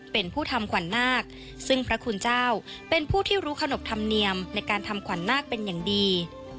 เป็นผู้ทำขวัญนาคซึ่งพระคุณเจ้าเป็นผู้ที่รู้ขนบธรรมเนียมในการทำขวัญนาคเป็นอย่างดี